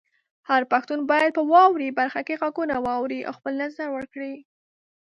هر پښتون باید په "واورئ" برخه کې غږونه واوري او خپل نظر ورکړي.